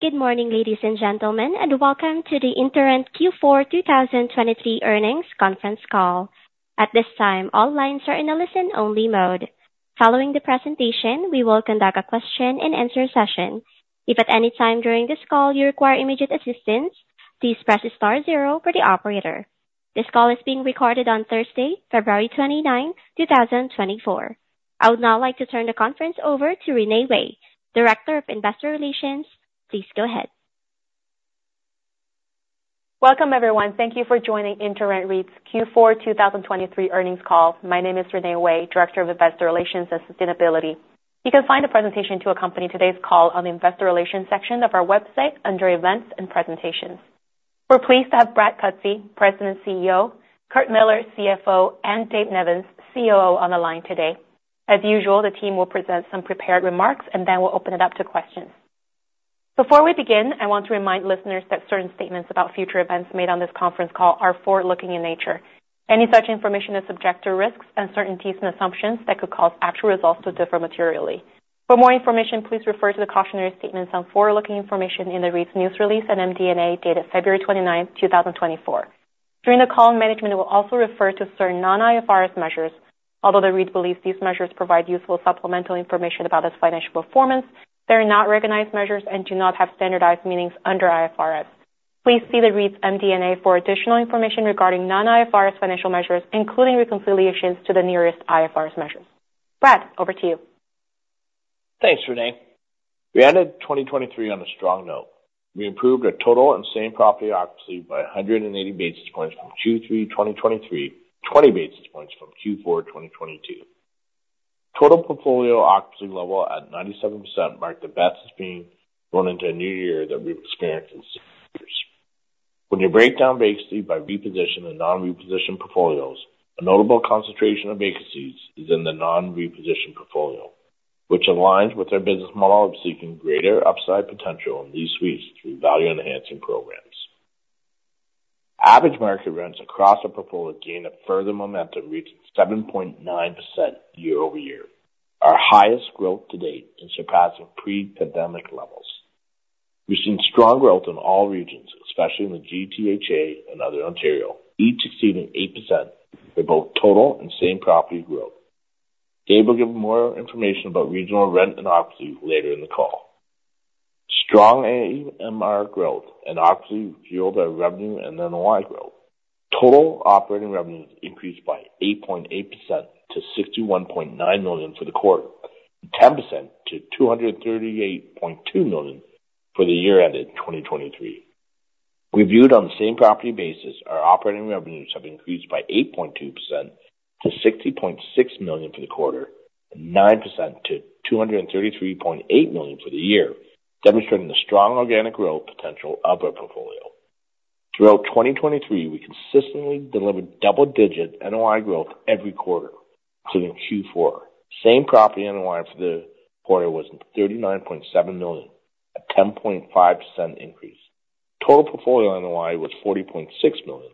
Good morning, ladies and gentlemen, and welcome to the InterRent Q4 2023 Earnings Conference Call. At this time, all lines are in a listen-only mode. Following the presentation, we will conduct a question-and-answer session. If at any time during this call you require immediate assistance, please press star zero for the operator. This call is being recorded on Thursday, February 29, 2024. I would now like to turn the conference over to Renee Wei, Director of Investor Relations. Please go ahead. Welcome, everyone. Thank you for joining InterRent REIT's Q4 2023 Earnings Call. My name is Renee Wei, Director of Investor Relations and Sustainability. You can find a presentation to accompany today's call on the Investor Relations section of our website under Events and Presentations. We're pleased to have Brad Cutsey, President and CEO, Curt Millar, CFO, and Dave Nevins, COO, on the line today. As usual, the team will present some prepared remarks, and then we'll open it up to questions. Before we begin, I want to remind listeners that certain statements about future events made on this conference call are forward-looking in nature. Any such information is subject to risks, uncertainties, and assumptions that could cause actual results to differ materially. For more information, please refer to the cautionary statements on forward-looking information in the REIT's news release and MD&A, dated February 29, 2024. During the call, management will also refer to certain non-IFRS measures. Although the REIT believes these measures provide useful supplemental information about its financial performance, they are not recognized measures and do not have standardized meanings under IFRS. Please see the REIT's MD&A for additional information regarding non-IFRS financial measures, including reconciliations to the nearest IFRS measures. Brad, over to you. Thanks, Renee. We ended 2023 on a strong note. We improved our total and same-property occupancy by 180 basis points from Q3 2023, 20 basis points from Q4 2022. Total portfolio occupancy level at 97% marked the best it's been going into a new year that we've experienced in six years. When you break down vacancy by reposition and non-reposition portfolios, a notable concentration of vacancies is in the non-reposition portfolio, which aligns with our business model of seeking greater upside potential in these suites through value-enhancing programs. Average market rents across the portfolio gained a further momentum, reaching 7.9% year-over-year, our highest growth to date and surpassing pre-pandemic levels. We've seen strong growth in all regions, especially in the GTHA and Other Ontario, each exceeding 8% for both total and same-property growth. Dave will give more information about regional rent and occupancy later in the call. Strong AMR growth and occupancy fueled by revenue and NOI growth. Total operating revenues increased by 8.8% to 61.9 million for the quarter, and 10% to 238.2 million for the year ended in 2023. Reviewed on the same property basis, our operating revenues have increased by 8.2% to 60.6 million for the quarter, and 9% to 233.8 million for the year, demonstrating the strong organic growth potential of our portfolio. Throughout 2023, we consistently delivered double-digit NOI growth every quarter, including Q4. Same property NOI for the quarter was 39.7 million, a 10.5% increase. Total portfolio NOI was 40.6 million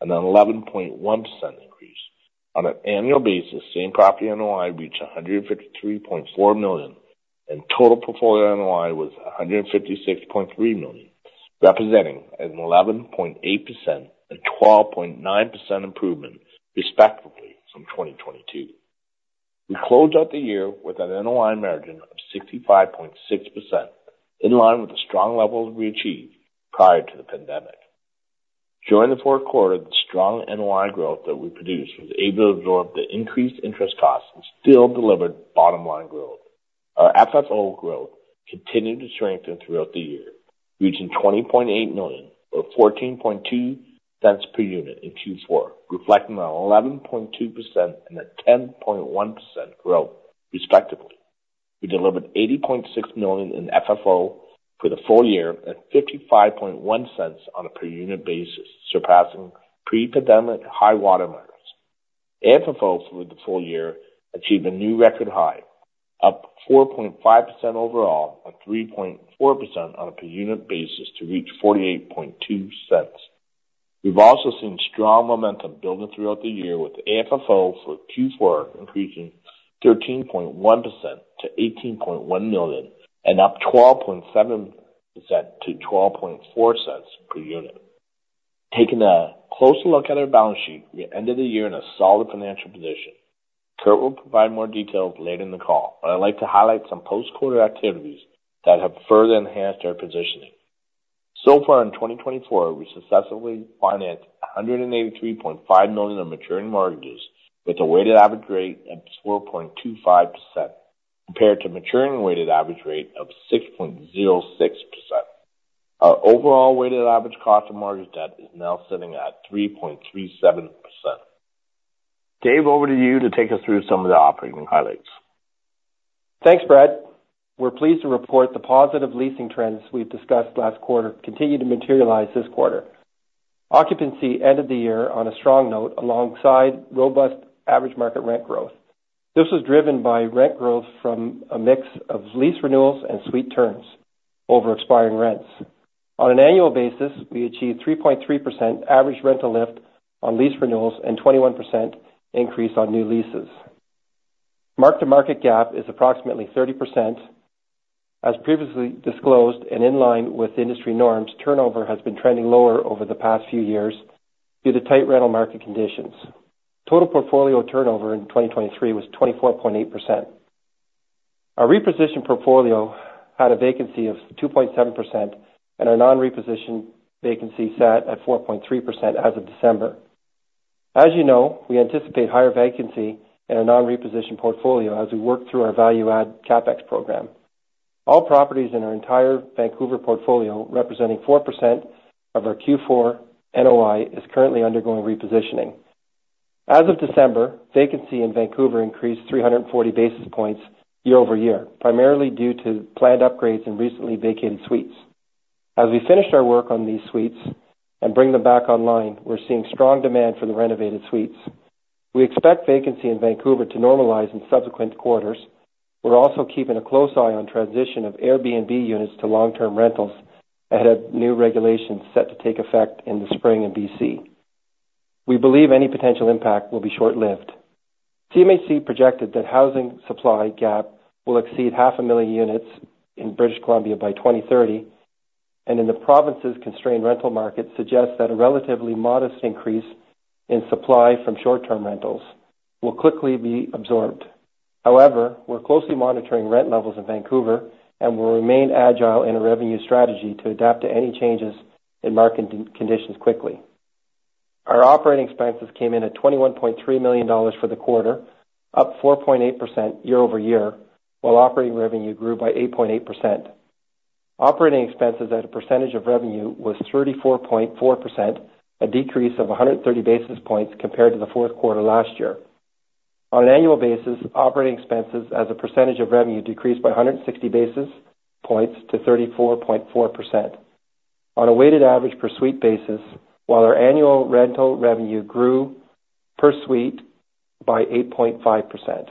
and an 11.1% increase. On an annual basis, same property NOI reached 153.4 million, and total portfolio NOI was 156.3 million, representing an 11.8% and 12.9% improvement, respectively, from 2022. We closed out the year with an NOI margin of 65.6%, in line with the strong levels we achieved prior to the pandemic. During the fourth quarter, the strong NOI growth that we produced was able to absorb the increased interest costs and still delivered bottom line growth. Our FFO growth continued to strengthen throughout the year, reaching 20.8 million, or 0.142 per unit in Q4, reflecting an 11.2% and a 10.1% growth, respectively. We delivered 80.6 million in FFO for the full year at 0.551 on a per unit basis, surpassing pre-pandemic high-water marks. AFFO for the full year achieved a new record high, up 4.5% overall, and 3.4% on a per unit basis to reach 0.482. We've also seen strong momentum building throughout the year, with AFFO for Q4 increasing 13.1% to 18.1 million and up 12.7% to 0.124 per unit. Taking a closer look at our balance sheet, we ended the year in a solid financial position. Curt will provide more details later in the call, but I'd like to highlight some post-quarter activities that have further enhanced our positioning. So far in 2024, we successfully financed 183.5 million of maturing mortgages, with a weighted average rate of 4.25%, compared to maturing weighted average rate of 6.06%. Our overall weighted average cost of mortgage debt is now sitting at 3.37%. Dave, over to you to take us through some of the operating highlights. Thanks, Brad. We're pleased to report the positive leasing trends we've discussed last quarter continue to materialize this quarter. Occupancy ended the year on a strong note alongside robust average market rent growth. This was driven by rent growth from a mix of lease renewals and suite turns over expiring rents. On an annual basis, we achieved 3.3% average rental lift on lease renewals and 21% increase on new leases. Mark-to-market gap is approximately 30%. As previously disclosed and in line with industry norms, turnover has been trending lower over the past few years due to tight rental market conditions. Total portfolio turnover in 2023 was 24.8%. Our repositioned portfolio had a vacancy of 2.7%, and our non-repositioned vacancy sat at 4.3% as of December. As you know, we anticipate higher vacancy in our non-repositioned portfolio as we work through our value-add CapEx program. All properties in our entire Vancouver portfolio, representing 4% of our Q4 NOI, is currently undergoing repositioning. As of December, vacancy in Vancouver increased 340 basis points year-over-year, primarily due to planned upgrades in recently vacated suites. As we finish our work on these suites and bring them back online, we're seeing strong demand for the renovated suites. We expect vacancy in Vancouver to normalize in subsequent quarters. We're also keeping a close eye on transition of Airbnb units to long-term rentals ahead of new regulations set to take effect in the spring in BC. We believe any potential impact will be short-lived. CMHC projected that housing supply gap will exceed 500,000 units in British Columbia by 2030, and in the province's constrained rental market, suggests that a relatively modest increase in supply from short-term rentals will quickly be absorbed. However, we're closely monitoring rent levels in Vancouver and will remain agile in our revenue strategy to adapt to any changes in market conditions quickly. Our operating expenses came in at 21.3 million dollars for the quarter, up 4.8% year-over-year, while operating revenue grew by 8.8%. Operating expenses as a percentage of revenue was 34.4%, a decrease of 130 basis points compared to the fourth quarter last year. On an annual basis, operating expenses as a percentage of revenue decreased by 160 basis points to 34.4%. On a weighted average per suite basis, while our annual rental revenue grew per suite by 8.5%.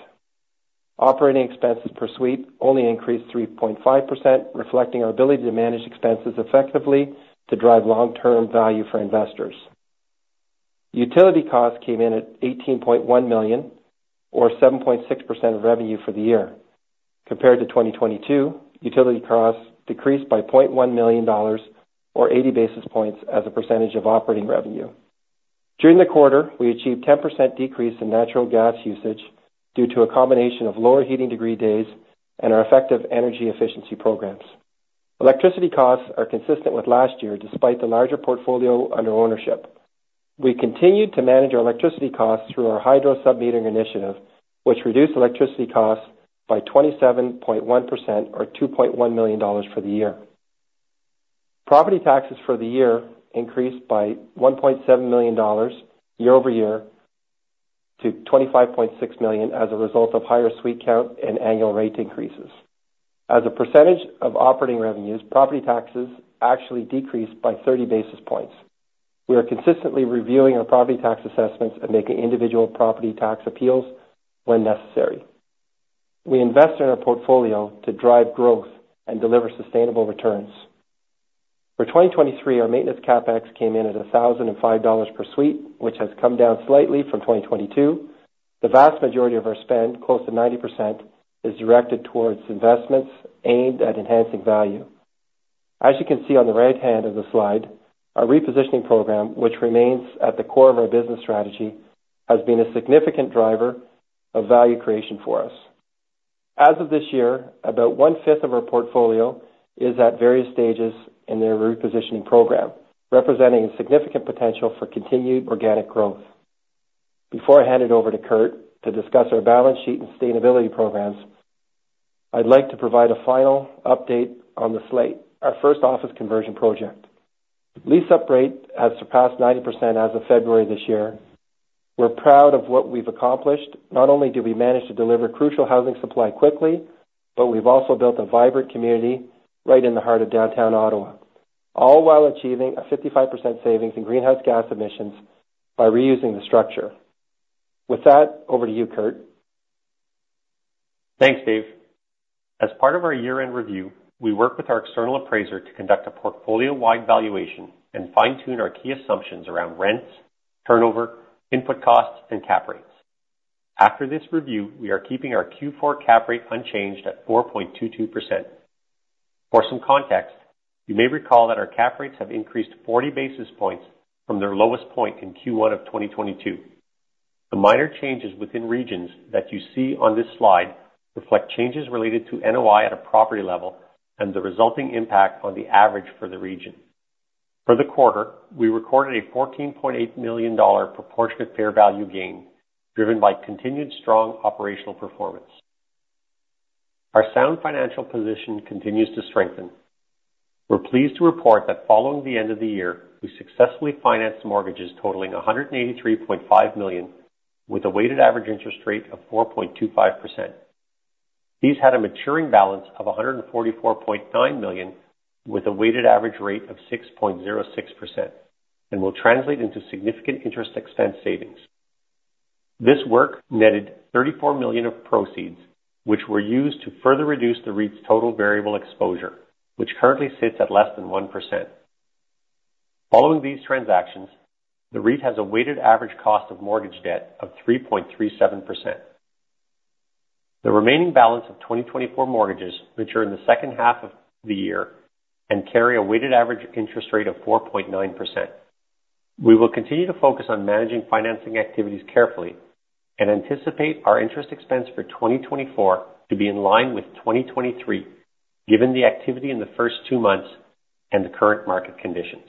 Operating expenses per suite only increased 3.5%, reflecting our ability to manage expenses effectively to drive long-term value for investors. Utility costs came in at 18.1 million, or 7.6% of revenue for the year. Compared to 2022, utility costs decreased by 0.1 million dollars or 80 basis points as a percentage of operating revenue. During the quarter, we achieved 10% decrease in natural gas usage due to a combination of lower heating degree days and our effective energy efficiency programs. Electricity costs are consistent with last year, despite the larger portfolio under ownership. We continued to manage our electricity costs through our hydro sub-metering initiative, which reduced electricity costs by 27.1% or 2.1 million dollars for the year. Property taxes for the year increased by 1.7 million dollars year over year to 25.6 million as a result of higher suite count and annual rate increases. As a percentage of operating revenues, property taxes actually decreased by 30 basis points. We are consistently reviewing our property tax assessments and making individual property tax appeals when necessary. We invest in our portfolio to drive growth and deliver sustainable returns. For 2023, our maintenance CapEx came in at 1,005 dollars per suite, which has come down slightly from 2022. The vast majority of our spend, close to 90%, is directed towards investments aimed at enhancing value. As you can see on the right hand of the slide, our repositioning program, which remains at the core of our business strategy, has been a significant driver of value creation for us. As of this year, about one-fifth of our portfolio is at various stages in their repositioning program, representing a significant potential for continued organic growth. Before I hand it over to Curt to discuss our balance sheet and sustainability programs, I'd like to provide a final update on The Slayte, our first office conversion project. Lease-up rate has surpassed 90% as of February this year. We're proud of what we've accomplished. Not only did we manage to deliver crucial housing supply quickly, but we've also built a vibrant community right in the heart of downtown Ottawa, all while achieving a 55% savings in greenhouse gas emissions by reusing the structure. With that, over to you, Curt. Thanks, Dave. As part of our year-end review, we work with our external appraiser to conduct a portfolio-wide valuation and fine-tune our key assumptions around rents, turnover, input costs, and cap rates. After this review, we are keeping our Q4 cap rate unchanged at 4.22%. For some context, you may recall that our cap rates have increased 40 basis points from their lowest point in Q1 of 2022. The minor changes within regions that you see on this slide reflect changes related to NOI at a property level and the resulting impact on the average for the region. For the quarter, we recorded a CAD 14.8 million proportionate fair value gain, driven by continued strong operational performance. Our sound financial position continues to strengthen. We're pleased to report that following the end of the year, we successfully financed mortgages totaling 183.5 million, with a weighted average interest rate of 4.25%. These had a maturing balance of 144.9 million, with a weighted average rate of 6.06% and will translate into significant interest expense savings. This work netted 34 million of proceeds, which were used to further reduce the REIT's total variable exposure, which currently sits at less than 1%. Following these transactions, the REIT has a weighted average cost of mortgage debt of 3.37%. The remaining balance of 2024 mortgages mature in the second half of the year and carry a weighted average interest rate of 4.9%. We will continue to focus on managing financing activities carefully and anticipate our interest expense for 2024 to be in line with 2023, given the activity in the first two months and the current market conditions.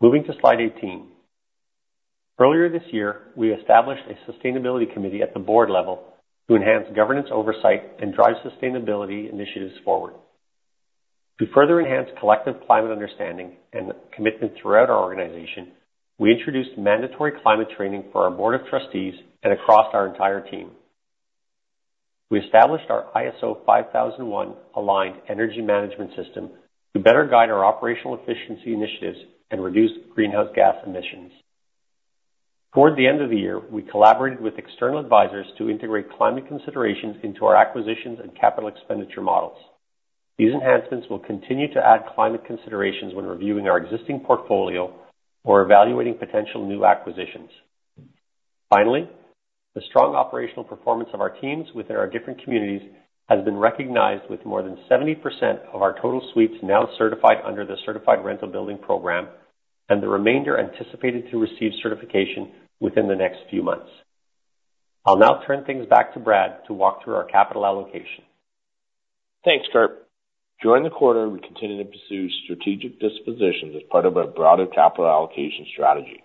Moving to Slide 18. Earlier this year, we established a sustainability committee at the board level to enhance governance oversight and drive sustainability initiatives forward. To further enhance collective climate understanding and commitment throughout our organization, we introduced mandatory climate training for our board of trustees and across our entire team. We established our ISO 50001 aligned energy management system to better guide our operational efficiency initiatives and reduce greenhouse gas emissions. Toward the end of the year, we collaborated with external advisors to integrate climate considerations into our acquisitions and capital expenditure models. These enhancements will continue to add climate considerations when reviewing our existing portfolio or evaluating potential new acquisitions. Finally, the strong operational performance of our teams within our different communities has been recognized, with more than 70% of our total suites now certified under the Certified Rental Building Program, and the remainder anticipated to receive certification within the next few months. I'll now turn things back to Brad to walk through our capital allocation. Thanks, Curt. During the quarter, we continued to pursue strategic dispositions as part of our broader capital allocation strategy.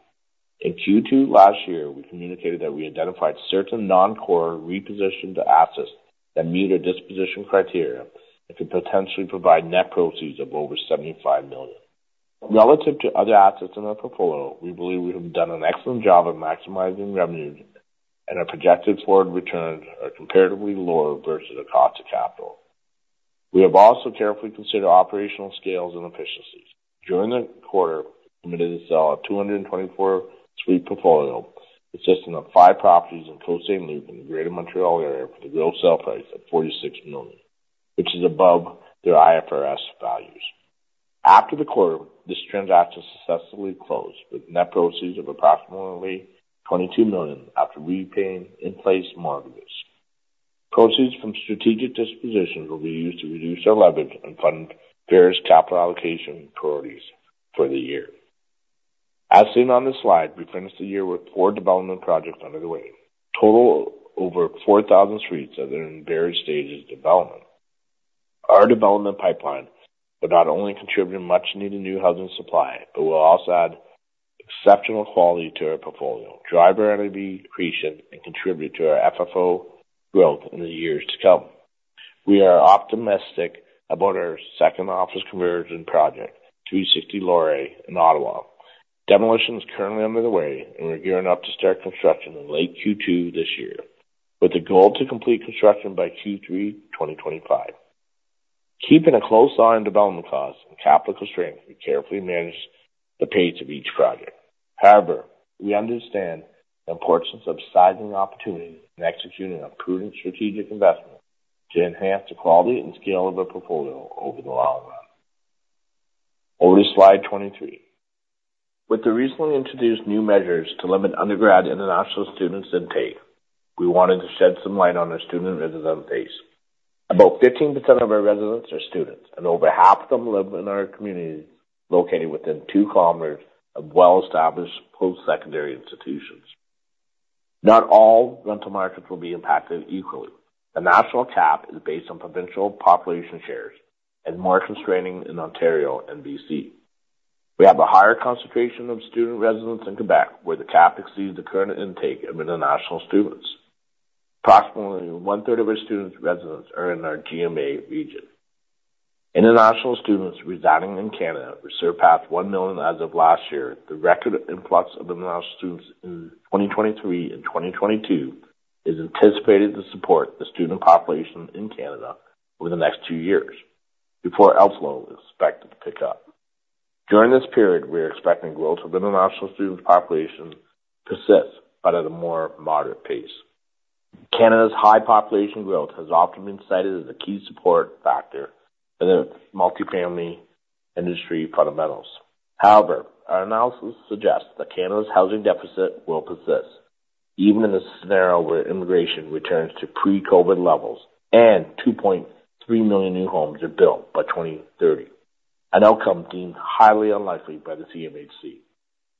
In Q2 last year, we communicated that we identified certain non-core repositioned assets that meet our disposition criteria and could potentially provide net proceeds of over 75 million. Relative to other assets in our portfolio, we believe we have done an excellent job of maximizing revenue, and our projected forward returns are comparatively lower versus the cost of capital. We have also carefully considered operational scales and efficiencies. During the quarter, we committed to sell our 224-suite portfolio, consisting of five properties in Côte Saint-Luc in the Greater Montreal Area, for the gross sale price of 46 million, which is above their IFRS values. After the quarter, this transaction successfully closed, with net proceeds of approximately CAD 22 million after repaying in-place mortgages. Proceeds from strategic dispositions will be used to reduce our leverage and fund various capital allocation priorities for the year. As seen on this slide, we finished the year with four development projects underway, total over 4,000 suites that are in various stages of development. Our development pipeline will not only contribute much-needed new housing supply, but will also add exceptional quality to our portfolio, drive NAV accretion, and contribute to our FFO growth in the years to come. We are optimistic about our second office conversion project, 360 Laurier in Ottawa. Demolition is currently underway, and we're gearing up to start construction in late Q2 this year, with the goal to complete construction by Q3 2025. Keeping a close eye on development costs and capital constraints, we carefully manage the pace of each project. However, we understand the importance of sizing opportunities and executing a prudent strategic investment to enhance the quality and scale of our portfolio over the long run. Over to Slide 23. With the recently introduced new measures to limit undergrad international students intake, we wanted to shed some light on our student resident base. About 15% of our residents are students, and over half of them live in our communities, located within 2 km of well-established postsecondary institutions. Not all rental markets will be impacted equally. The national cap is based on provincial population shares and more constraining in Ontario and BC. We have a higher concentration of student residents in Quebec, where the cap exceeds the current intake of international students. Approximately one-third of our student residents are in our GMA region. International students residing in Canada surpassed one million as of last year. The record influx of international students in 2023 and 2022 is anticipated to support the student population in Canada over the next two years before outflow is expected to pick up. During this period, we are expecting growth of international student population to persist but at a more moderate pace. Canada's high population growth has often been cited as a key support factor for the multifamily industry fundamentals. However, our analysis suggests that Canada's housing deficit will persist even in a scenario where immigration returns to pre-COVID levels and 2.3 million new homes are built by 2030, an outcome deemed highly unlikely by the CMHC.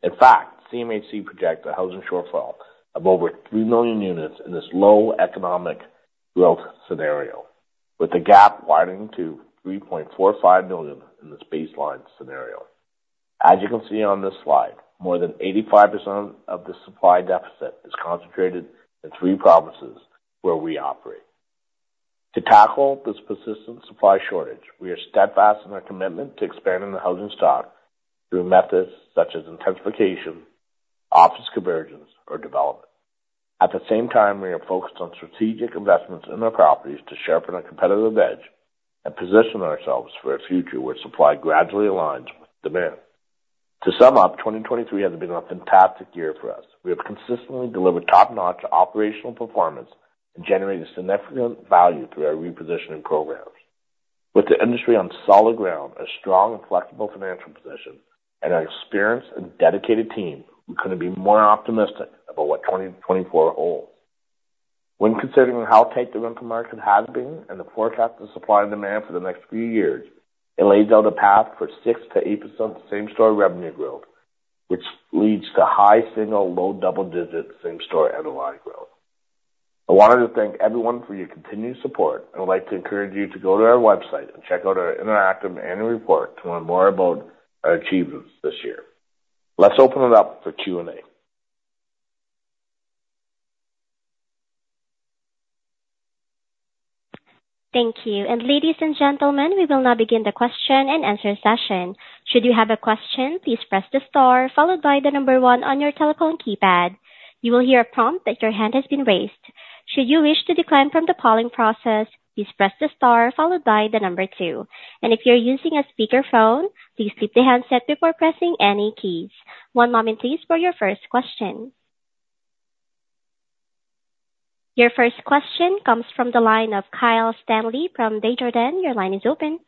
In fact, CMHC projects a housing shortfall of over three million units in this low economic growth scenario, with the gap widening to 3.45 million in this baseline scenario. As you can see on this slide, more than 85% of the supply deficit is concentrated in three provinces where we operate. To tackle this persistent supply shortage, we are steadfast in our commitment to expanding the housing stock through methods such as intensification, office conversions, or development. At the same time, we are focused on strategic investments in our properties to sharpen our competitive edge and position ourselves for a future where supply gradually aligns with demand.... To sum up, 2023 has been a fantastic year for us. We have consistently delivered top-notch operational performance and generated significant value through our repositioning programs. With the industry on solid ground, a strong and flexible financial position, and an experienced and dedicated team, we couldn't be more optimistic about what 2024 holds. When considering how tight the rental market has been and the forecast of supply and demand for the next few years, it lays out a path for 6%-8% same-store revenue growth, which leads to high single, low double-digit same-store NOI growth. I wanted to thank everyone for your continued support, and I'd like to encourage you to go to our website and check out our interactive annual report to learn more about our achievements this year. Let's open it up for Q&A. Thank you. Ladies and gentlemen, we will now begin the question and answer session. Should you have a question, please press the star followed by the number one on your telephone keypad. You will hear a prompt that your hand has been raised. Should you wish to decline from the calling process, please press the star followed by the number two. And if you're using a speakerphone, please keep the handset before pressing any keys. One moment, please, for your first question. Your first question comes from the line of Kyle Stanley from Desjardins. Your line is open.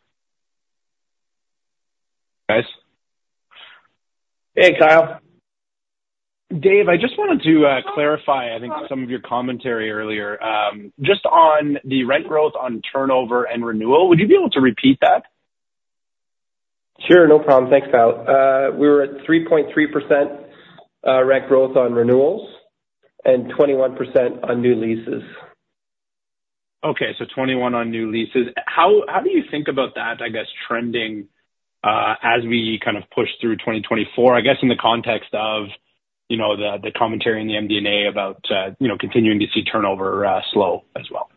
Guys. Hey, Kyle. Dave, I just wanted to clarify, I think some of your commentary earlier, just on the rent growth on turnover and renewal. Would you be able to repeat that? Sure, no problem. Thanks, Kyle. We were at 3.3%, rent growth on renewals and 21% on new leases. Okay, so 21 on new leases. How do you think about that, I guess, trending as we kind of push through 2024? I guess in the context of, you know, the commentary in the MD&A about, you know, continuing to see turnover slow as well.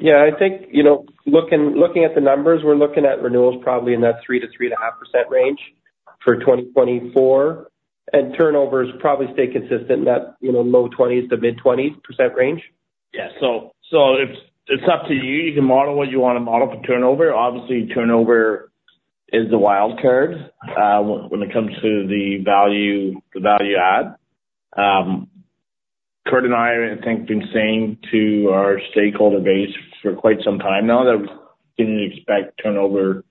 Yeah, I think, you know, looking at the numbers, we're looking at renewals probably in that 3%-3.5% range for 2024, and turnovers probably stay consistent in that, you know, low 20s%-mid 20s% range. Yeah. So it's up to you. You can model what you want to model for turnover. Obviously, turnover is the wild card when it comes to the value, the value add. Curt and I, I think, have been saying to our stakeholder base for quite some time now that we didn't expect turnover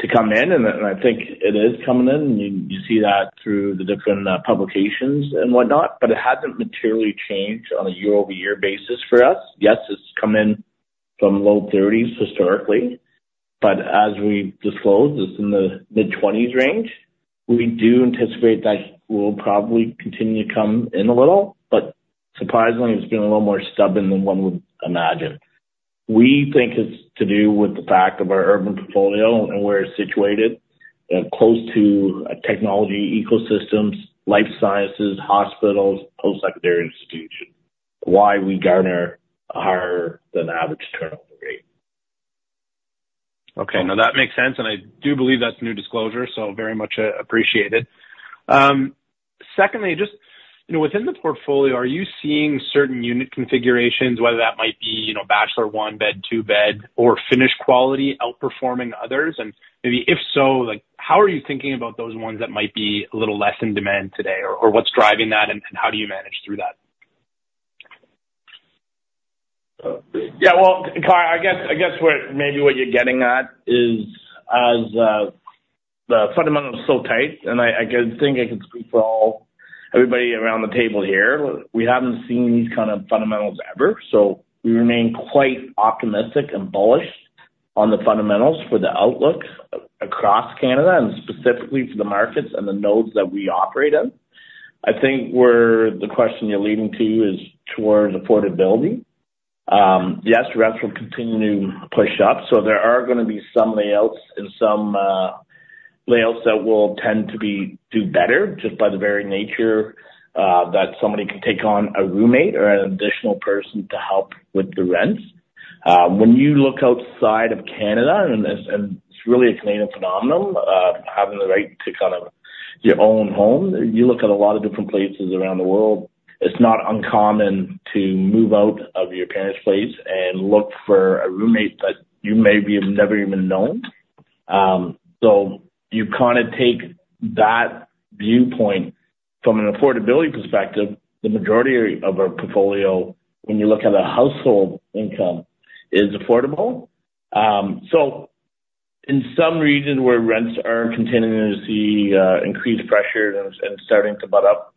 to come in, and I think it is coming in, and you see that through the different publications and whatnot, but it hasn't materially changed on a year-over-year basis for us. Yes, it's come in from low 30s historically, but as we disclose, it's in the mid-20s range. We do anticipate that will probably continue to come in a little, but surprisingly, it's been a little more stubborn than one would imagine. We think it's to do with the fact of our urban portfolio and where it's situated, close to technology ecosystems, life sciences, hospitals, postsecondary institutions, why we garner a higher than average turnover rate. Okay, now that makes sense, and I do believe that's new disclosure, so very much appreciated. Secondly, just, you know, within the portfolio, are you seeing certain unit configurations, whether that might be, you know, bachelor one bed, two bed, or finish quality outperforming others? And maybe if so, like, how are you thinking about those ones that might be a little less in demand today? Or, or what's driving that, and, and how do you manage through that? Yeah, well, Kyle, I guess what maybe what you're getting at is, as, the fundamental is so tight, and I could think I can speak for everybody around the table here, we haven't seen these kind of fundamentals ever, so we remain quite optimistic and bullish on the fundamentals for the outlook across Canada and specifically for the markets and the nodes that we operate in. I think where the question you're leading to is towards affordability. Yes, rents will continue to push up, so there are gonna be some layouts and some layouts that will tend to be do better, just by the very nature that somebody can take on a roommate or an additional person to help with the rents. When you look outside of Canada, it's really a Canadian phenomenon, having the right to kind of your own home. You look at a lot of different places around the world; it's not uncommon to move out of your parents' place and look for a roommate that you maybe have never even known. So you kind of take that viewpoint from an affordability perspective; the majority of our portfolio, when you look at a household income, is affordable. So in some regions where rents are continuing to see increased pressure and starting to butt up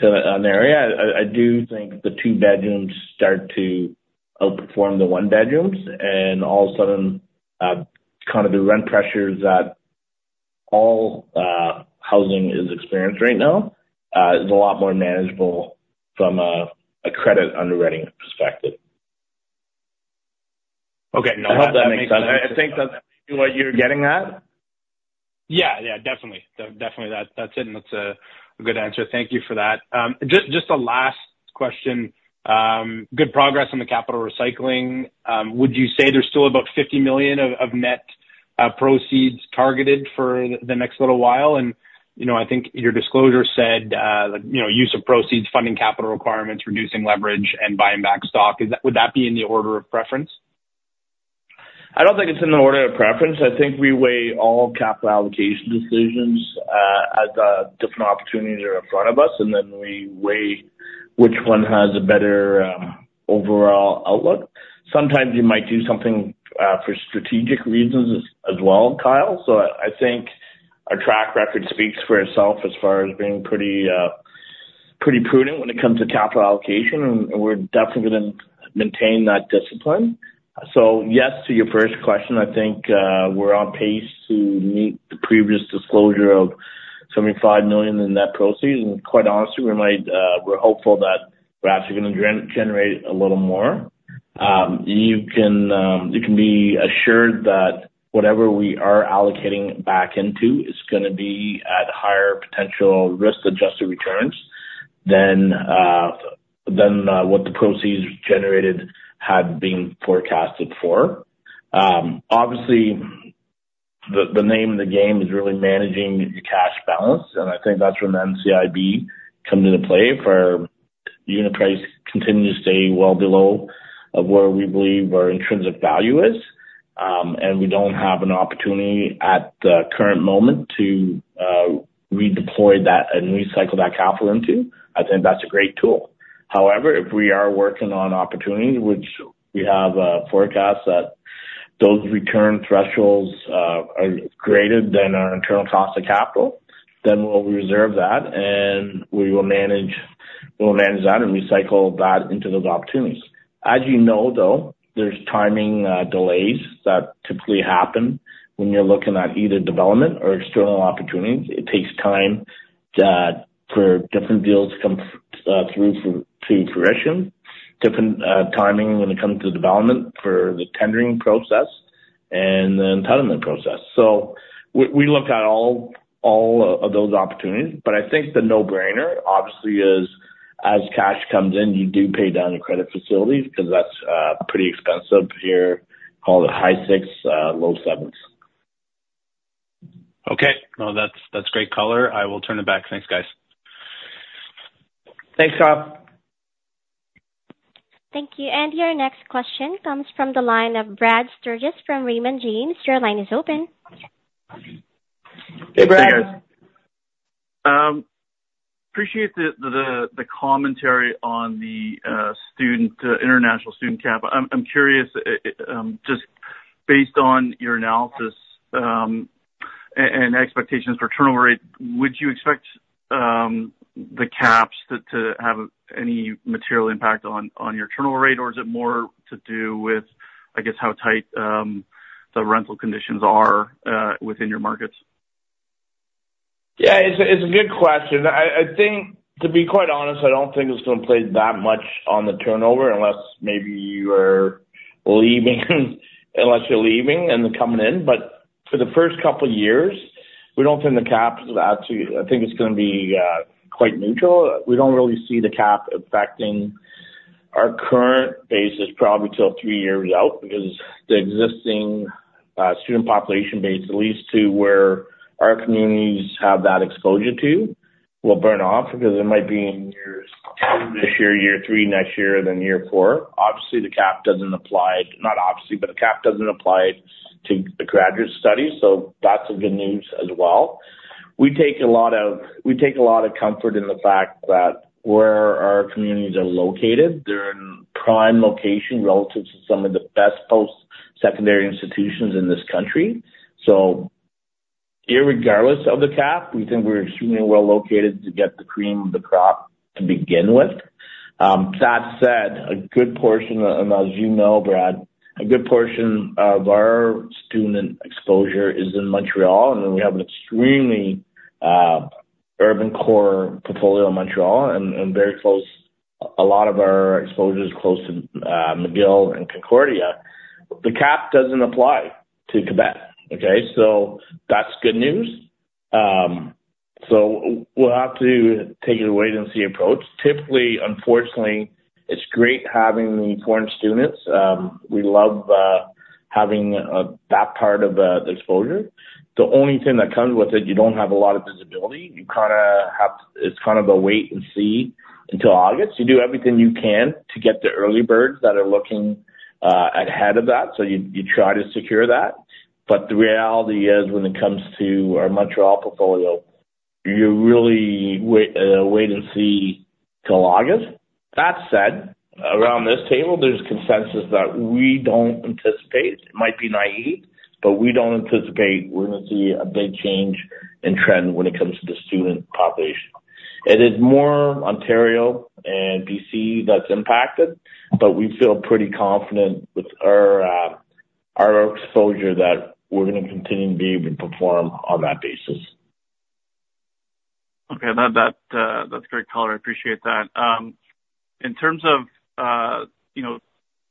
to an area, I do think the two bedrooms start to outperform the one bedrooms, and all of a sudden kind of the rent pressures that all housing is experienced right now is a lot more manageable from a credit underwriting perspective. Okay. I hope that makes sense. I think that's what you're getting at. Yeah. Yeah, definitely. Definitely that, that's it, and that's a good answer. Thank you for that. Just a last question. Good progress on the capital recycling. Would you say there's still about 50 million of net proceeds targeted for the next little while? And, you know, I think your disclosure said, you know, use of proceeds, funding capital requirements, reducing leverage, and buying back stock. Is that--would that be in the order of preference? I don't think it's in the order of preference. I think we weigh all capital allocation decisions, as different opportunities are in front of us, and then we weigh which one has a better overall outlook. Sometimes you might do something for strategic reasons as well, Kyle. So I think our track record speaks for itself as far as being pretty prudent when it comes to capital allocation, and we're definitely gonna maintain that discipline. So, yes, to your first question, I think we're on pace to meet the previous disclosure of 75 million in net proceeds, and quite honestly, we might, we're hopeful that we're actually gonna generate a little more. You can be assured that whatever we are allocating back into is gonna be at higher potential risk-adjusted returns than what the proceeds generated had been forecasted for. Obviously, the name of the game is really managing the cash balance, and I think that's where NCIB come into play, for unit price continue to stay well below of where we believe our intrinsic value is. And we don't have an opportunity at the current moment to redeploy that and recycle that capital into. I think that's a great tool. However, if we are working on opportunities, which we have, forecast that those return thresholds are greater than our internal cost of capital, then we'll reserve that, and we will manage we will manage that and recycle that into those opportunities. As you know, though, there's timing, delays that typically happen when you're looking at either development or external opportunities. It takes time for different deals to come through to fruition. Different timing when it comes to development for the tendering process and the entitlement process. So we look at all of those opportunities. But I think the no-brainer, obviously, is as cash comes in, you do pay down your credit facilities because that's pretty expensive here, call it high 6%, low seven. Okay. No, that's, that's great color. I will turn it back. Thanks, guys. Thanks, Kyle. Thank you. Your next question comes from the line of Brad Sturges from Raymond James. Your line is open. Hey, Brad. Hey, guys. Appreciate the commentary on the student international student cap. I'm curious just based on your analysis and expectations for turnover rate, would you expect the caps to have any material impact on your turnover rate? Or is it more to do with, I guess, how tight the rental conditions are within your markets? Yeah, it's a, it's a good question. I, I think, to be quite honest, I don't think it's gonna play that much on the turnover, unless maybe you are leaving, unless you're leaving and then coming in. But for the first couple years, we don't think the cap will add to... I think it's gonna be quite neutral. We don't really see the cap affecting our current bases probably till three years out, because the existing student population base, at least to where our communities have that exposure to, will burn off because it might be in years two this year, year three next year, then year four. Obviously, the cap doesn't apply, not obviously, but the cap doesn't apply to the graduate studies, so that's a good news as well. We take a lot of comfort in the fact that where our communities are located, they're in prime location relative to some of the best post-secondary institutions in this country. So irregardless of the cap, we think we're extremely well located to get the cream of the crop to begin with. That said, a good portion, and as you know, Brad, of our student exposure is in Montreal, and then we have an extremely urban core portfolio in Montreal and very close. A lot of our exposure is close to McGill and Concordia. The cap doesn't apply to Quebec, okay? So that's good news. So we'll have to take a wait-and-see approach. Typically, unfortunately, it's great having the foreign students. We love having that part of the exposure. The only thing that comes with it, you don't have a lot of visibility. You kind of have. It's kind of a wait and see until August. You do everything you can to get the early birds that are looking ahead of that, so you try to secure that. But the reality is, when it comes to our Montreal portfolio, you really wait and see till August. That said, around this table, there's consensus that we don't anticipate. It might be naive, but we don't anticipate we're gonna see a big change in trend when it comes to the student population. It is more Ontario and BC that's impacted, but we feel pretty confident with our exposure that we're gonna continue to be able to perform on that basis. Okay. That's great color. I appreciate that. In terms of you know,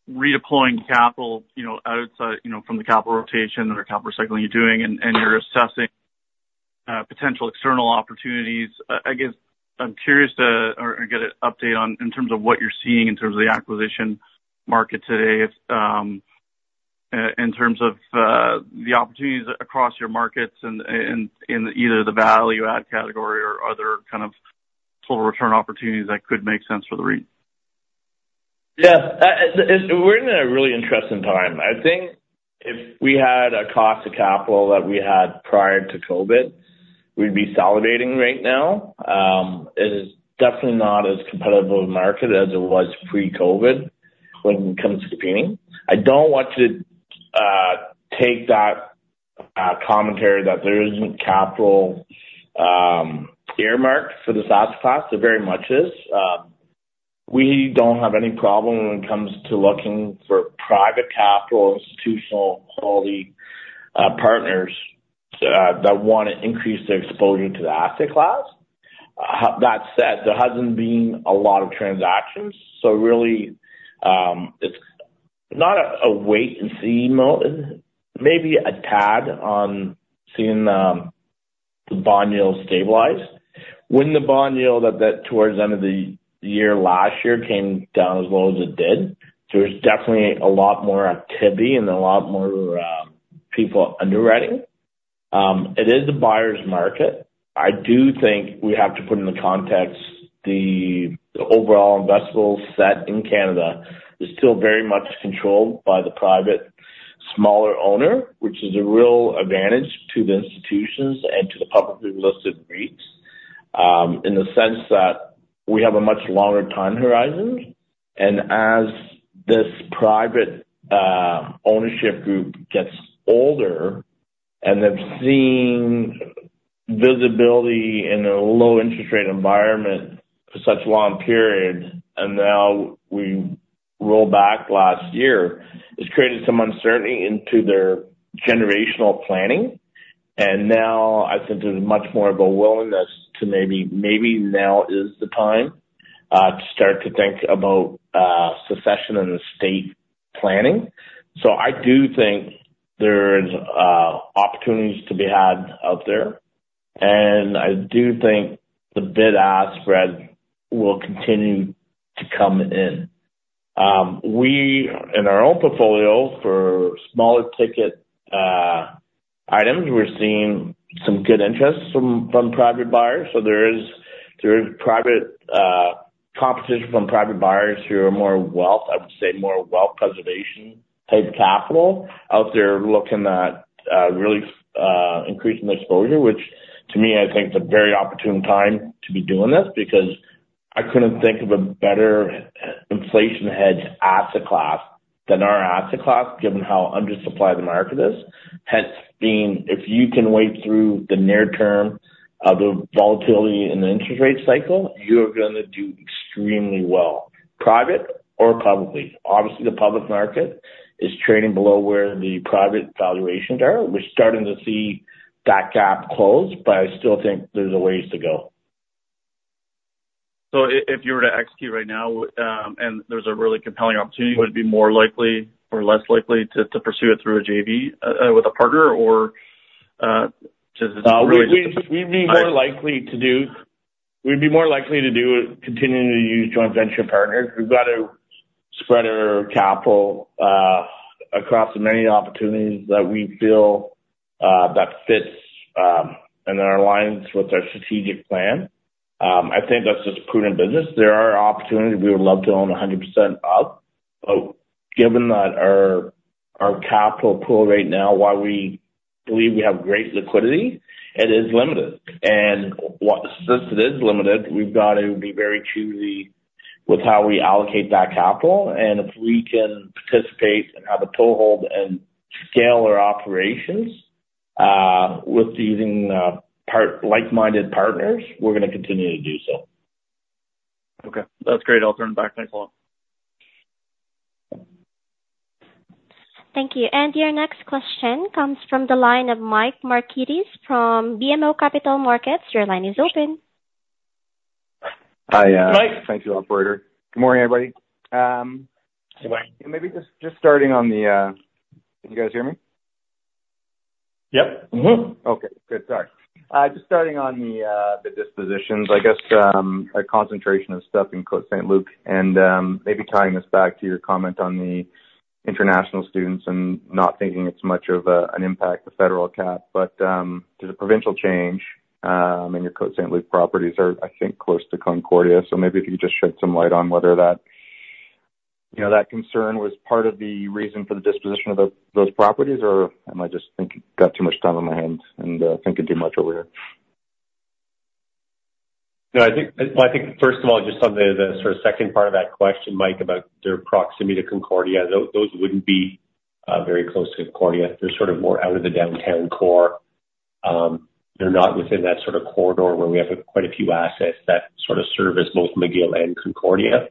redeploying capital, you know, outside, you know, from the capital rotation or capital recycling you're doing, and you're assessing potential external opportunities, I guess I'm curious to, or, and get an update on, in terms of what you're seeing in terms of the acquisition market today, if in terms of the opportunities across your markets and either the value add category or other kind of total return opportunities that could make sense for the REIT? Yeah, we're in a really interesting time. I think if we had a cost of capital that we had prior to COVID, we'd be salivating right now. It is definitely not as competitive a market as it was pre-COVID when it comes to competing. I don't want to take that commentary that there isn't capital earmarked for this asset class. There very much is. We don't have any problem when it comes to looking for private capital, institutional quality partners that want to increase their exposure to the asset class. That said, there hasn't been a lot of transactions, so really, it's not a wait and see mode, maybe a tad on seeing the bond yields stabilize. When the bond yield at that, towards the end of the year, last year, came down as low as it did, there's definitely a lot more activity and a lot more, people underwriting. It is a buyer's market. I do think we have to put in the context, the overall investment set in Canada is still very much controlled by the private, smaller owner, which is a real advantage to the institutions and to the publicly listed REITs, in the sense that we have a much longer time horizon. And as this private, ownership group gets older, and they've seen visibility in a low interest rate environment for such a long period, and now we roll back last year, it's created some uncertainty into their generational planning. Now I think there's much more of a willingness to maybe, maybe now is the time, to start to think about, succession and estate planning. So I do think there's, opportunities to be had out there, and I do think the bid-ask spread will continue to come in. We, in our own portfolio, for smaller ticket, items, we're seeing some good interest from, from private buyers. So there is, there is private, competition from private buyers who are more wealth—I would say, more wealth preservation type capital out there looking at, really, increasing their exposure. Which to me, I think it's a very opportune time to be doing this, because I couldn't think of a better inflation hedge asset class than our asset class, given how undersupplied the market is. Hence, if you can wait through the near term of the volatility in the interest rate cycle, you are gonna do extremely well, private or publicly. Obviously, the public market is trading below where the private valuations are. We're starting to see that gap close, but I still think there's a ways to go. So if you were to execute right now, and there's a really compelling opportunity, would it be more likely or less likely to pursue it through a JV with a partner? Or just- We'd be more likely to do it, continuing to use joint venture partners. We've got to spread our capital across the many opportunities that we feel that fits and then aligns with our strategic plan. I think that's just prudent business. There are opportunities we would love to own 100% of, but given that our capital pool right now, while we believe we have great liquidity, it is limited. And while since it is limited, we've got to be very choosy with how we allocate that capital, and if we can participate and have a toehold and scale our operations with using like-minded partners, we're gonna continue to do so. Okay. That's great. I'll turn it back. Thanks a lot. Thank you. Your next question comes from the line of Mike Markidis from BMO Capital Markets. Your line is open. Hi, uh- Mike. Thank you, operator. Good morning, everybody. Good morning. Maybe just, just starting on the, Can you guys hear me? Yep. Mm-hmm. Okay, good. Sorry. Just starting on the, the dispositions, I guess, a concentration of stuff in Côte Saint-Luc and, maybe tying this back to your comment on the international students and not thinking it's much of a, an impact, the federal cap. But, there's a provincial change, and your Côte Saint-Luc properties are, I think, close to Concordia. So maybe if you could just shed some light on whether that, you know, that concern was part of the reason for the disposition of those properties, or am I just thinking, got too much time on my hands and, thinking too much over here? No, I think, well, I think first of all, just on the, the sort of second part of that question, Mike, about their proximity to Concordia, those wouldn't be very close to Concordia. They're sort of more out of the downtown core. They're not within that sort of corridor where we have quite a few assets that sort of service both McGill and Concordia.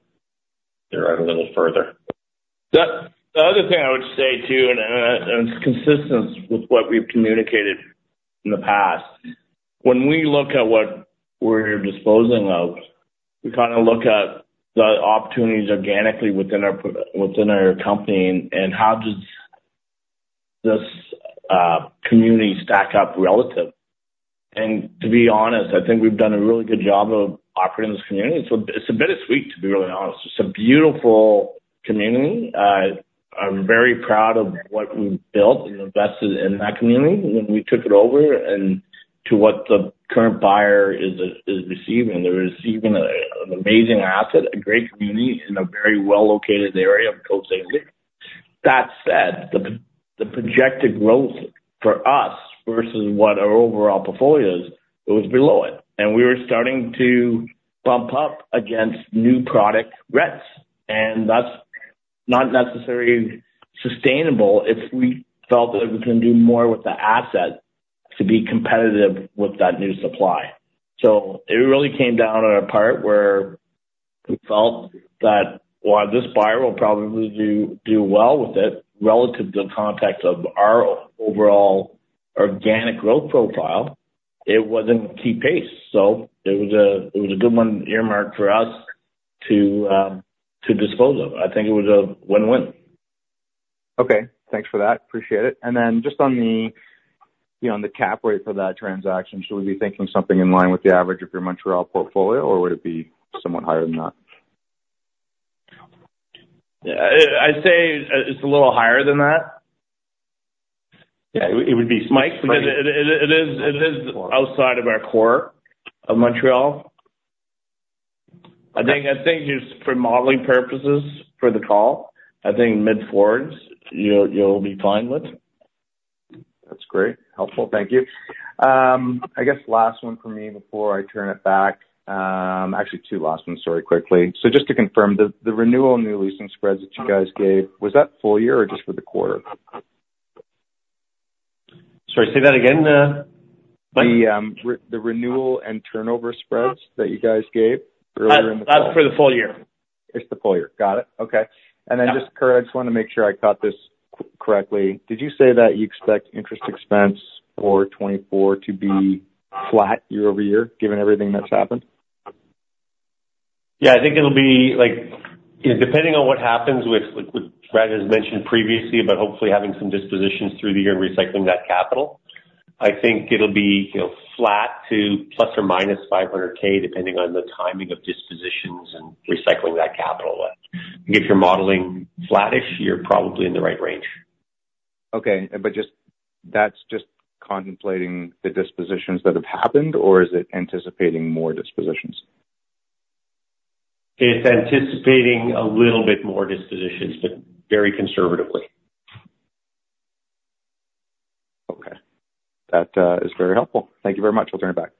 They're out a little further. The other thing I would say, too, and it's consistent with what we've communicated in the past. When we look at what we're disposing of, we kind of look at the opportunities organically within our company and how does this community stack up relative? And to be honest, I think we've done a really good job of operating this community. So it's a bittersweet, to be really honest. It's a beautiful community. I'm very proud of what we've built and invested in that community when we took it over and to what the current buyer is receiving. They're receiving an amazing asset, a great community, in a very well-located area of Côte Saint-Luc. That said, the projected growth for us versus what our overall portfolio is, it was below it, and we were starting to bump up against new product rents, and that's not necessarily sustainable if we felt that we can do more with the asset to be competitive with that new supply. So it really came down on a part where we felt that while this buyer will probably do well with it, relative to the context of our overall organic growth profile, it wasn't key pace, so it was a good one earmarked for us to dispose of. I think it was a win-win. Okay. Thanks for that. Appreciate it. And then just on the, you know, on the Cap Rate for that transaction, should we be thinking something in line with the average of your Montreal portfolio, or would it be somewhat higher than that? I'd say it's a little higher than that. Yeah, it would be- Mike, it is outside of our core of Montreal. I think just for modeling purposes, for the call, I think mid forwards, you'll be fine with. That's great. Helpful. Thank you. I guess last one for me before I turn it back, actually, two last ones, sorry, quickly. So just to confirm, the renewal and new leasing spreads that you guys gave, was that full year or just for the quarter? Sorry, say that again, The renewal and turnover spreads that you guys gave earlier in the call. That's for the full year. It's the full year. Got it. Okay. Yeah. Then just, Curt, I just want to make sure I caught this correctly. Did you say that you expect interest expense for 2024 to be flat year-over-year, given everything that's happened? Yeah, I think it'll be like... Yeah, depending on what happens with Brad, as mentioned previously, but hopefully having some dispositions through the year and recycling that capital, I think it'll be, you know, flat to plus or minus 500,000 depending on the timing of dispositions and recycling that capital. If you're modeling flattish, you're probably in the right range. Okay. But just, that's just contemplating the dispositions that have happened, or is it anticipating more dispositions? It's anticipating a little bit more dispositions, but very conservatively. Okay. That is very helpful. Thank you very much. I'll turn it back.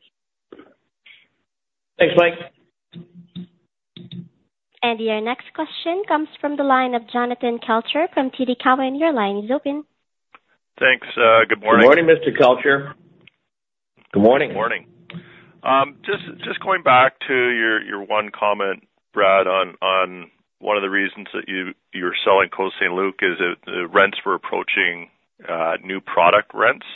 Thanks, Mike. Your next question comes from the line of Jonathan Kelcher from TD Cowen. Your line is open. Thanks. Good morning. Good morning, Mr. Kelcher. Good morning. Good morning. Just, just going back to your, your one comment, Brad, on, on one of the reasons that you, you're selling Côte Saint-Luc is that the rents were approaching new product rents.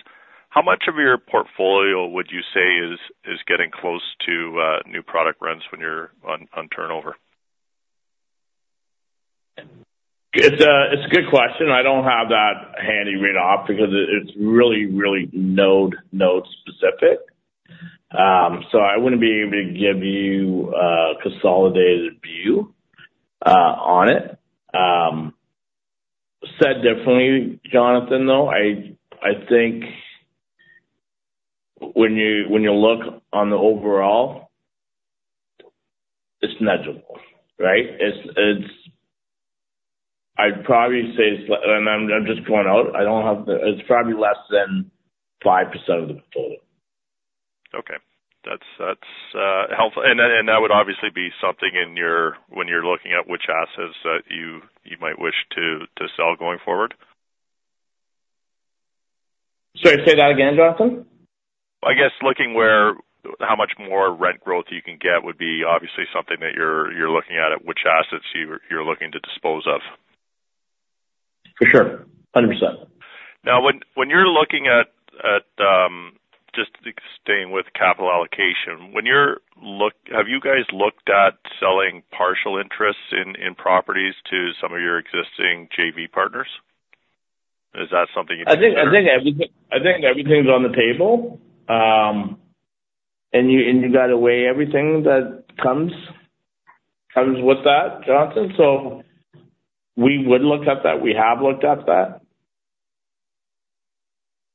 How much of your portfolio would you say is, is getting close to new product rents when you're on, on turnover? It's a good question. I don't have that handy read off because it's really node specific. So I wouldn't be able to give you a consolidated view on it. I'd say definitely, Jonathan, though, I think when you look on the overall, it's negligible, right? It's-- I'd probably say it's less and I'm just going out, I don't have the... It's probably less than 5% of the portfolio. Okay. That's helpful. And then that would obviously be something in your, when you're looking at which assets you might wish to sell going forward? Sorry, say that again, Jonathan. I guess looking where, how much more rent growth you can get would be obviously something that you're looking at, at which assets you're looking to dispose of. For sure. 100%. Now, when you're looking at just staying with capital allocation, when you're—have you guys looked at selling partial interests in properties to some of your existing JV partners? Is that something you'd consider? I think everything's on the table, and you gotta weigh everything that comes with that, Jonathan. So we would look at that. We have looked at that.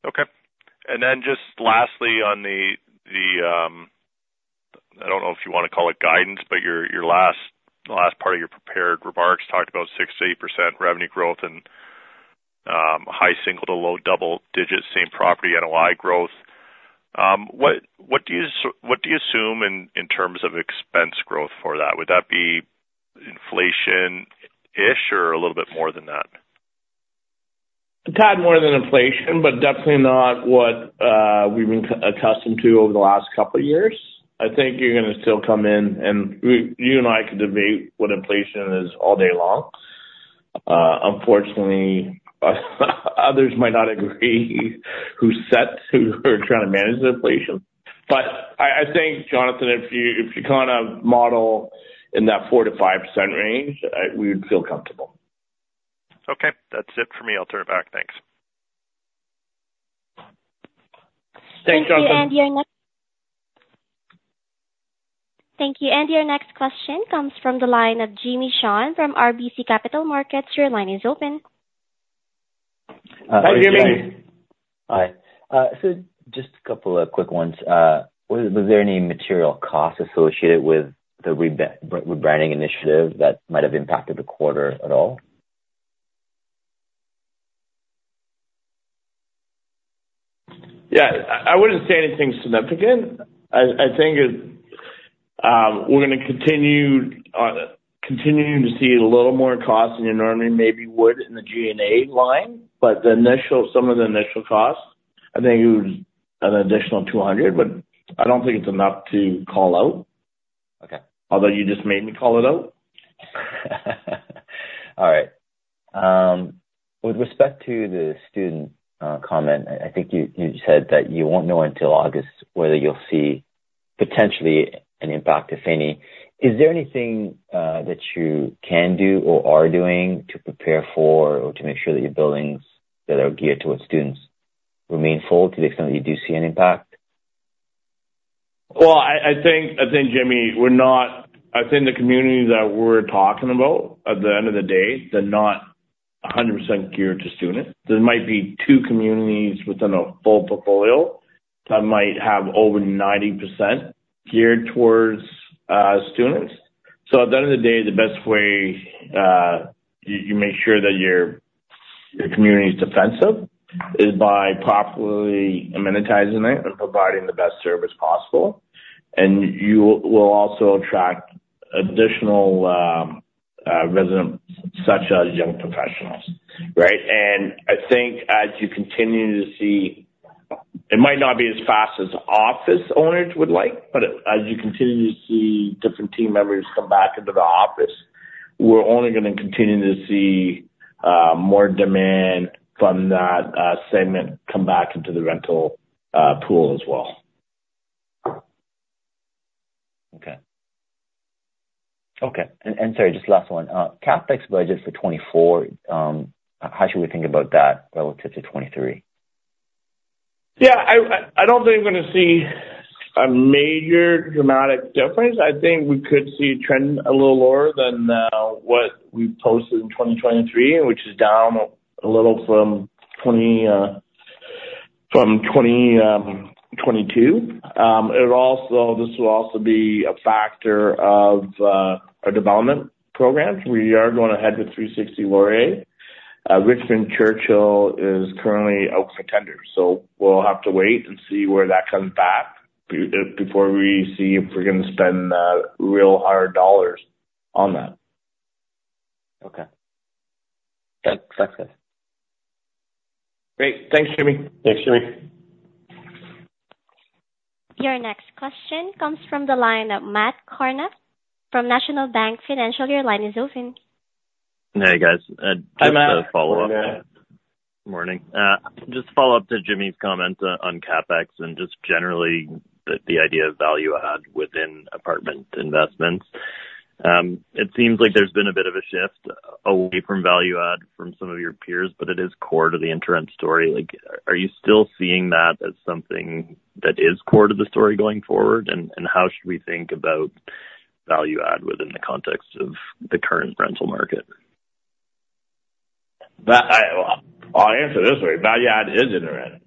Okay. And then just lastly on the, I don't know if you want to call it guidance, but your last part of your prepared remarks talked about 6%-8% revenue growth and, high single to low double digits, same property NOI growth. What do you assume in terms of expense growth for that? Would that be inflation-ish or a little bit more than that? A tad more than inflation, but definitely not what we've been accustomed to over the last couple of years. I think you're gonna still come in, and we, you and I could debate what inflation is all day long. Unfortunately, others might not agree who set, who are trying to manage the inflation. But I think, Jonathan, if you kind of model in that 4%-5% range, we would feel comfortable. Okay. That's it for me. I'll turn it back. Thanks.... Thank you. And your next question comes from the line of Jimmy Shan from RBC Capital Markets. Your line is open. Hi, Jimmy. Hi. So just a couple of quick ones. Was there any material cost associated with the rebranding initiative that might have impacted the quarter at all? Yeah, I wouldn't say anything significant. I think we're gonna continue to see a little more cost than you normally maybe would in the G&A line, but the initial, some of the initial costs, I think it was an additional 200, but I don't think it's enough to call out. Okay. Although you just made me call it out. All right. With respect to the student comment, I think you said that you won't know until August whether you'll see potentially an impact, if any. Is there anything that you can do or are doing to prepare for, or to make sure that your buildings that are geared towards students remain full to the extent that you do see an impact? Well, I think, Jimmy, we're not—I think the communities that we're talking about, at the end of the day, they're not 100% geared to students. There might be two communities within a full portfolio that might have over 90% geared towards students. So at the end of the day, the best way you make sure that your community's defensive is by properly amenitizing it and providing the best service possible. And you will also attract additional residents, such as young professionals, right? I think as you continue to see, it might not be as fast as office owners would like, but as you continue to see different team members come back into the office, we're only gonna continue to see more demand from that segment come back into the rental pool as well. Okay. Okay, and, and sorry, just last one. CapEx budgets for 2024, how should we think about that relative to 2023? Yeah, I don't think we're gonna see a major dramatic difference. I think we could see trend a little lower than what we posted in 2023, which is down a little from 2022. This will also be a factor of our development programs. We are going ahead with 360 Laurier. Richmond Churchill is currently out for tender, so we'll have to wait and see where that comes back before we see if we're gonna spend real hard dollars on that. Okay. Thanks. That's it. Great. Thanks, Jimmy. Thanks, Jimmy. Your next question comes from the line of Matt Kornack from National Bank Financial. Your line is open. Hey, guys. Hi, Matt. Just a follow-up. Morning. Just to follow up to Jimmy's comment on CapEx and just generally the idea of value add within apartment investments. It seems like there's been a bit of a shift away from value add from some of your peers, but it is core to the InterRent story. Like, are you still seeing that as something that is core to the story going forward? And how should we think about value add within the context of the current rental market? I'll answer this way: value add is interim.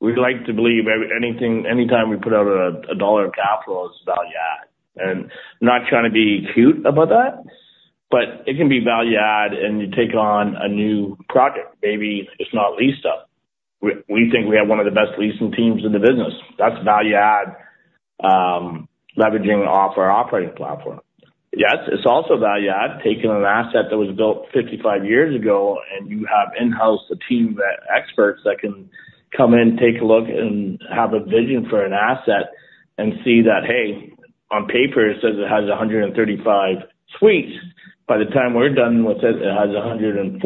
We like to believe anything, anytime we put out CAD 1 of capital, it's value add. And not trying to be cute about that, but it can be value add, and you take on a new project, maybe it's not leased up. We think we have one of the best leasing teams in the business. That's value add, leveraging off our operating platform. Yes, it's also value add, taking an asset that was built 55 years ago, and you have in-house a team of experts that can come in, take a look, and have a vision for an asset and see that, hey, on paper, it says it has 135 suites. By the time we're done, it says it has 145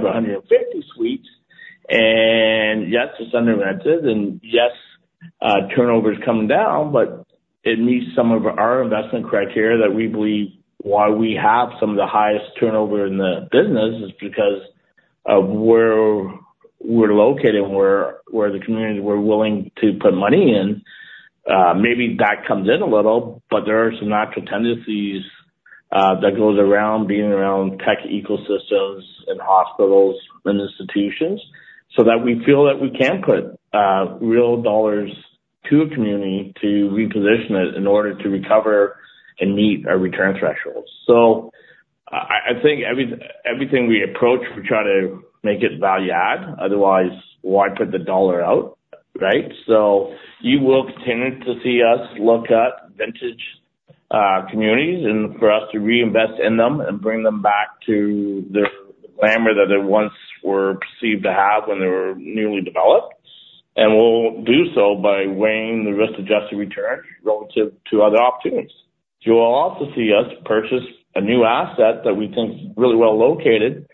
or 150 suites, and yes, it's under rented, and yes, turnover is coming down, but it meets some of our investment criteria that we believe why we have some of the highest turnover in the business is because of where we're located, where the communities we're willing to put money in. Maybe that comes in a little, but there are some natural tendencies that goes around being around tech ecosystems and hospitals and institutions, so that we feel that we can put real dollars to a community to reposition it in order to recover and meet our return thresholds. So I think everything we approach, we try to make it value add. Otherwise, why put the dollar out, right? So you will continue to see us look at vintage communities, and for us to reinvest in them and bring them back to their glamour that they once were perceived to have when they were newly developed. We'll do so by weighing the risk-adjusted return relative to other opportunities. You will also see us purchase a new asset that we think is really well located,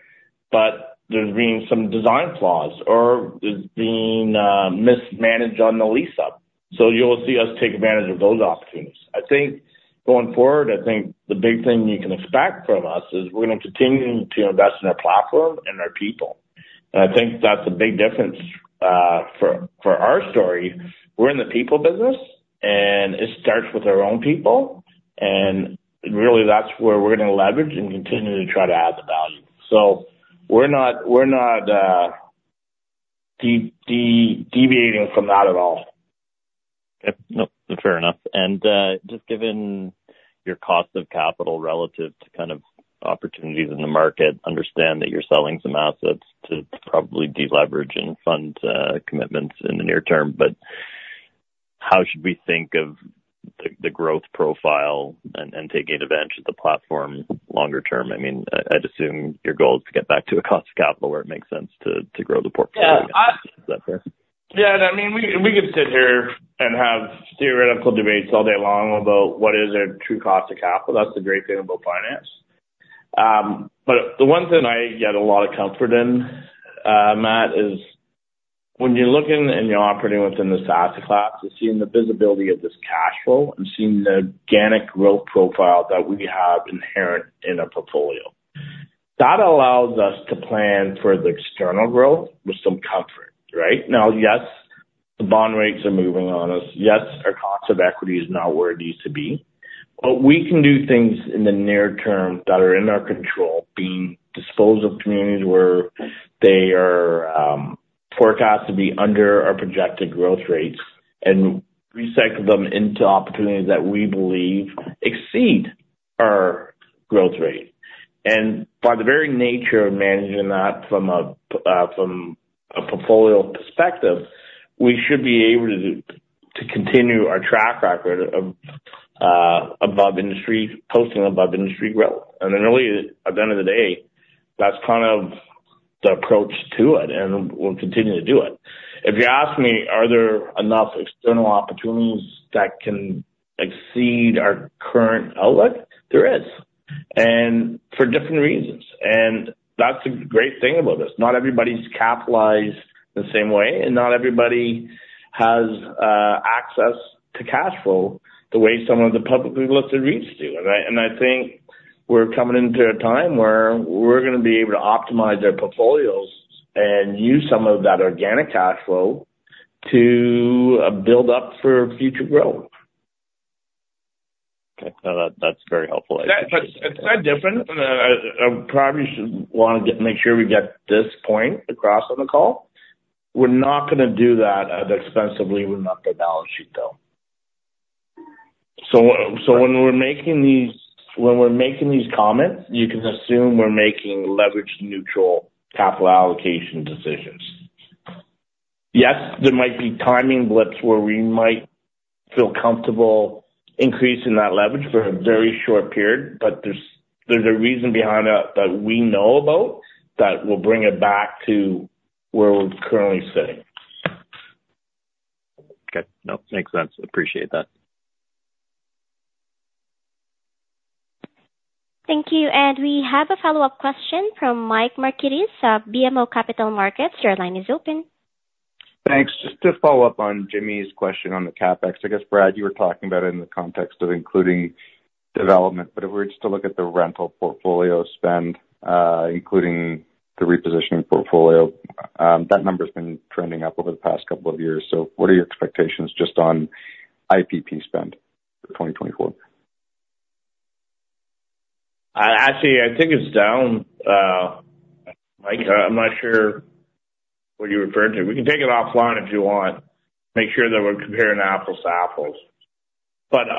but there's been some design flaws or there's been mismanaged on the lease-up. You will see us take advantage of those opportunities. I think going forward, the big thing you can expect from us is we're gonna continue to invest in our platform and our people. I think that's a big difference for our story. We're in the people business, and it starts with our own people, and really, that's where we're gonna leverage and continue to try to add the value. So we're not, we're not deviating from that at all. Yep. Nope, fair enough. And, just given your cost of capital relative to kind of opportunities in the market, understand that you're selling some assets to probably deleverage and fund commitments in the near term. But how should we think of the growth profile and taking advantage of the platform longer term? I mean, I'd assume your goal is to get back to a cost of capital where it makes sense to grow the portfolio. Yeah, I- Is that fair? Yeah, and I mean, we could sit here and have theoretical debates all day long about what is our true cost of capital. That's the great thing about finance. But the one thing I get a lot of comfort in, Matt, is when you're looking and you're operating within the asset class and seeing the visibility of this cash flow and seeing the organic growth profile that we have inherent in our portfolio, that allows us to plan for the external growth with some comfort, right? Now, yes, the bond rates are moving on us. Yes, our cost of equity is not where it needs to be, but we can do things in the near term that are in our control, being dispose of communities where they are forecast to be under our projected growth rates and recycle them into opportunities that we believe exceed our growth rate. And by the very nature of managing that from a from a portfolio perspective, we should be able to continue our track record of above industry posting above-industry growth. And then really, at the end of the day, that's kind of the approach to it, and we'll continue to do it. If you ask me, are there enough external opportunities that can exceed our current outlook? There is, and for different reasons, and that's the great thing about this. Not everybody's capitalized the same way, and not everybody has access to cash flow the way some of the publicly listed REITs do, right? I think we're coming into a time where we're gonna be able to optimize our portfolios and use some of that organic cash flow to build up for future growth. Okay. No, that, that's very helpful. But it's no different. I probably should wanna make sure we get this point across on the call. We're not gonna do that as extensively with not the balance sheet, though. So when we're making these comments, you can assume we're making leverage-neutral capital allocation decisions. Yes, there might be timing blips where we might feel comfortable increasing that leverage for a very short period, but there's a reason behind that that we know about that will bring it back to where we're currently sitting. Okay. Nope, makes sense. Appreciate that. Thank you, and we have a follow-up question from Mike Markidis of BMO Capital Markets. Your line is open. Thanks. Just to follow up on Jimmy's question on the CapEx, I guess, Brad, you were talking about it in the context of including development, but if we were just to look at the rental portfolio spend, including the repositioning portfolio, that number's been trending up over the past couple of years. So what are your expectations just on IIP spend for 2024? Actually, I think it's down, Mike. I'm not sure what you're referring to. We can take it offline if you want, make sure that we're comparing apples to apples. Sure. But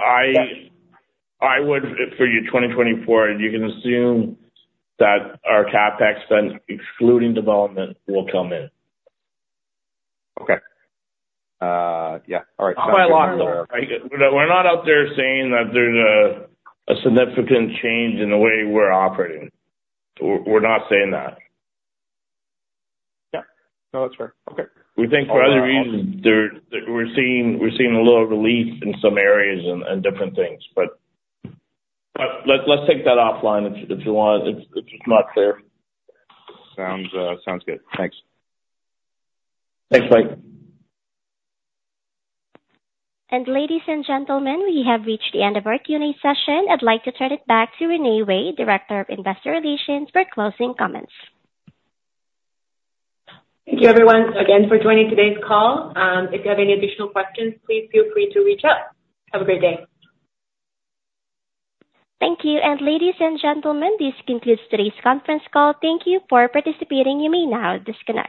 I would for you, 2024, you can assume that our CapEx spend, excluding development, will come in. Okay. Yeah. All right. Not by a lot, though. We're not out there saying that there's a significant change in the way we're operating. We're not saying that. Yeah. No, that's fair. Okay. We think for other reasons, there we're seeing a little relief in some areas and different things. But let's take that offline if you want. It's not fair. Sounds good. Thanks. Thanks, Mike. Ladies and gentlemen, we have reached the end of our Q&A session. I'd like to turn it back to Renee Wei, Director of Investor Relations, for closing comments. Thank you, everyone, again for joining today's call. If you have any additional questions, please feel free to reach out. Have a great day. Thank you. Ladies and gentlemen, this concludes today's conference call. Thank you for participating. You may now disconnect.